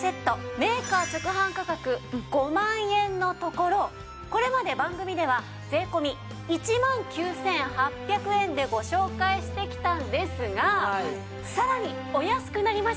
メーカー直販価格５万円のところこれまで番組では税込１万９８００円でご紹介してきたんですがさらにお安くなりまして。